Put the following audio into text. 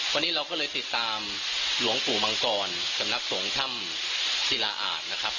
วันนี้เราก็เลยติดตามหลวงปู่มังกรสำนักสงฆ์ถ้ำศิลาอาจนะครับ